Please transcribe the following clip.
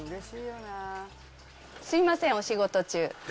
すみません、お仕事中。